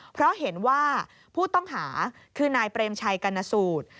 เพราะเห็นว่าผู้ต้องหาคือนายเปรมชัยกรณสูตร